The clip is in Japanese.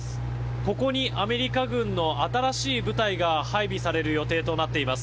ここにアメリカ軍の新しい部隊が配備される予定となっています。